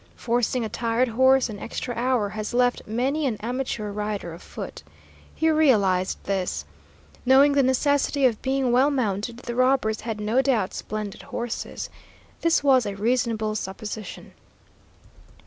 Forcing a tired horse an extra hour has left many an amateur rider afoot. He realized this. Knowing the necessity of being well mounted, the robbers had no doubt splendid horses. This was a reasonable supposition.